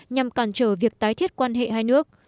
nhằm cản trở việc tái thiết quan hệ hai nước